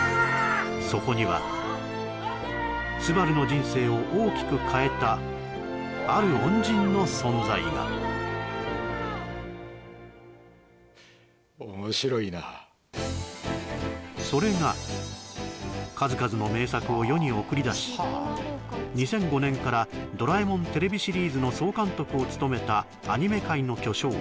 そこには昴の人生を大きく変えたある恩人の存在が面白いなそれが数々の名作を世に送り出し２００５年から「ドラえもん」テレビシリーズの総監督を務めたアニメ界の巨匠